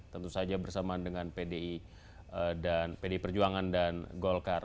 tentu saja bersama dengan pdi perjuangan dan golkar